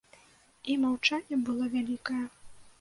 І маўчанне было вялікае.